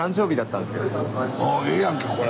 あええやんけこれ。